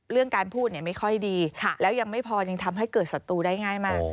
เรื่องการพูดไม่ค่อยดีแล้วยังไม่พอยังทำให้เกิดศัตรูได้ง่ายมาก